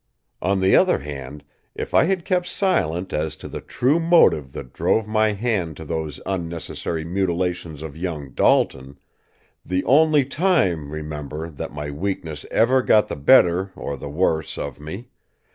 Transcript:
On the other hand, if I had kept silent as to the true motive that drove my hand to those unnecessary mutilations of young Dalton the only time, remember, that my weakness ever got the better, or the worse, of me!